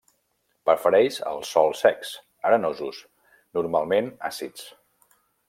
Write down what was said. Prefereix els sòls secs, arenosos, normalment àcids.